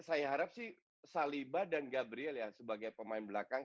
saya harap sih saliba dan gabriel ya sebagai pemain belakang